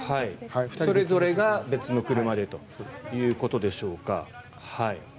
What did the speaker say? それぞれが別の車でということでしょうか。